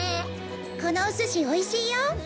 このおすし、おいしいよ。